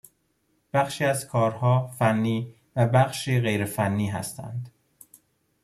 بخشی از کارها فنی و بخشی غیر فنی هستند